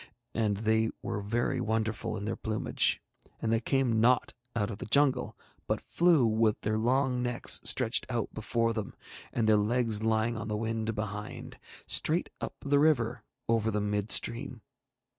And they were very wonderful in their plumage, and they came not out of the jungle, but flew, with their long necks stretched out before them, and their legs lying on the wind behind, straight up the river over the mid stream.